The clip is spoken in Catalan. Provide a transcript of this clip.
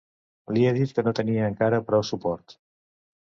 Li he dit que no tenia encara prou suport.